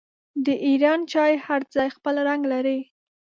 د ایران چای هر ځای خپل رنګ لري.